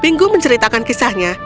pingu menceritakan kisahnya